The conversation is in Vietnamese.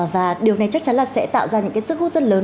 và điều này chắc chắn là sẽ tạo ra những cái sức hút rất lớn